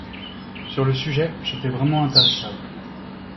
Sur le sujet, j’étais vraiment intarissable.